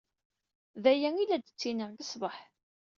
D aya ay la d-ttiniɣ seg ṣṣbaḥ.